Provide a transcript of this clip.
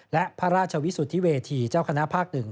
และพระราชวิสุทธิเวทีเจ้าคณะภาค๑